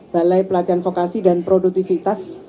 balai pelatihan vokasi dan produktivitas